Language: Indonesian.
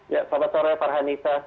ya selamat sore farhanita